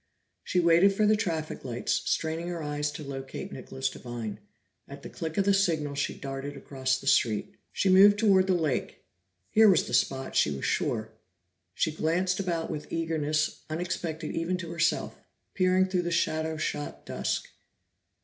She waited for the traffic lights, straining her eyes to locate Nicholas Devine; at the click of the signal she darted across the street. She moved toward the lake; here was the spot, she was sure. She glanced about with eagerness unexpected even to herself, peering through the shadow shot dusk.